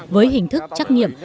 với hình thức trách nhiệm